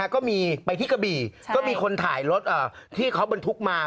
ก็มีไปที่กระบี่ก็มีคนถ่ายรถที่เขาบรรทุกมา